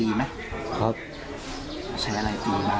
ตอนนั้นเขาก็เลยรีบวิ่งออกมาดูตอนนั้นเขาก็เลยรีบวิ่งออกมาดู